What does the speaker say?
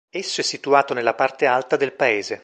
Esso è situato nella parte alta del paese.